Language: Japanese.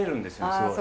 すごい。